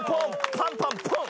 パンパンポン！